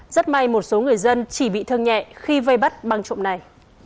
rất may một số người dân chỉ bị thương nhẹ khi vây bắt bằng trộm này